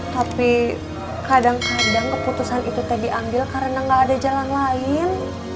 tapi kadang kadang keputusan itu diambil karena gak ada jalan lain